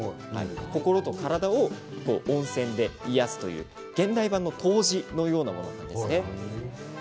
心と体を温泉で癒やすという現代版の湯治のようなものですね。